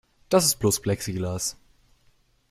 Das ist bloß Plexiglas.